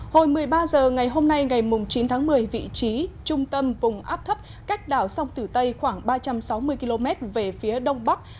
hồi một mươi ba h ngày hôm nay ngày chín tháng một mươi vị trí trung tâm vùng áp thấp cách đảo sông tử tây khoảng ba trăm sáu mươi km về phía đông bắc